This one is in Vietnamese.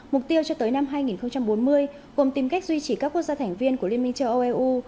mục tiêu cho tới năm hai nghìn bốn mươi gồm tìm cách duy trì các quốc gia thành viên của liên minh châu âu eu